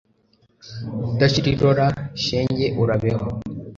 mudashira irora, shenge urabeho